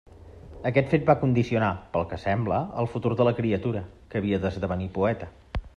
Aquest fet va condicionar, pel que sembla, el futur de la criatura, que havia d'esdevenir poeta.